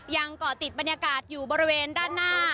เกาะติดบรรยากาศอยู่บริเวณด้านหน้า